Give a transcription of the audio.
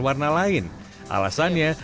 warna lain alasannya